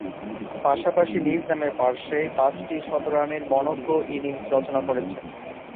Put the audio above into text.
পাশাপাশি নিজ নামের পার্শ্বে পাঁচটি শতরানের মনোজ্ঞ ইনিংস রচনা করেছেন তিনি।